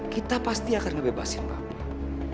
kita pasti akan ngebebasin bapak